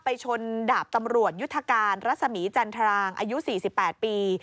ชนดาบตำรวจยุทธการรัศมีจันทรางอายุ๔๘ปี